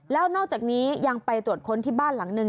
แล้วนอกจากนี้ยังไปตรวจค้นที่บ้านหลังหนึ่ง